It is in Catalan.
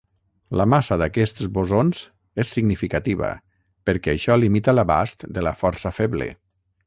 La massa d'aquests bosons és significativa perquè això limita l'abast de la força feble.